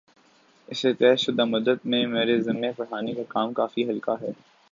اِس طےشدہ مدت میں میرے ذمے پڑھانے کا کام کافی ہلکا ہے